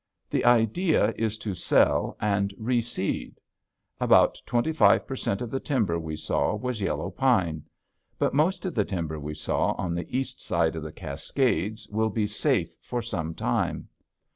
The idea is to sell and reseed. About twenty five per cent of the timber we saw was yellow pine. But most of the timber we saw on the east side of the Cascades will be safe for some time.